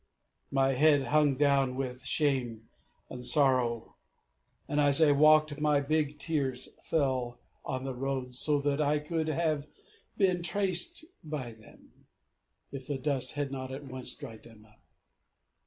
My head hung down with shame and sorrow, and as I walked my big tears fell on the road, so that I could have been traced by them, if the dust had not at once dried them up!